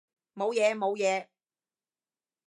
冇嘢冇嘢